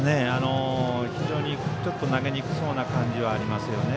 非常に投げにくそうな感じがありますよね。